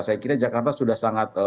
saya kira jakarta sudah sangat